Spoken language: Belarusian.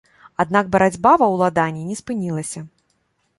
Аднак барацьба ва ўладанні не спынілася.